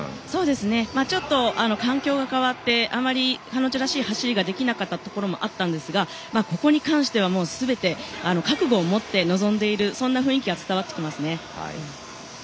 ちょっと環境が変わってあまり彼女らしい走りができなかったところもありましたが、ここに関しては覚悟を持って臨んでいるそんな雰囲気が伝わってきますね。